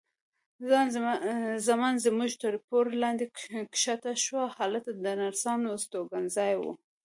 خان زمان زموږ تر پوړ لاندې کښته شوه، هلته د نرسانو استوګنځای و.